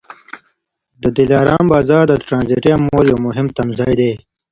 د دلارام بازار د ټرانزیټي اموالو یو مهم تمځای دی.